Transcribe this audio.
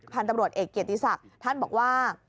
พันธุ์ตำรวจเอกเกียรติศักดิ์ท่านบอกว่า